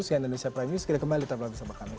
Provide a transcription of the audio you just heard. si anand nusyapraju kita kembali lagi bersama kami